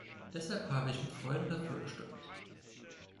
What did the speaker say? Deshalb habe ich mit Freuden dafür gestimmt.